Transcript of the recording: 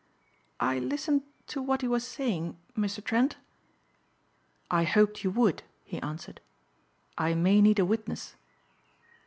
"I listened to what he was saying, Mr. Trent." "I hoped you would," he answered, "I may need a witness."